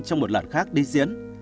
trong một lần khác đi diễn